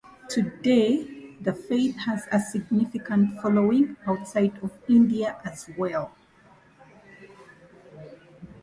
Today the faith has a significant following outside of India as well.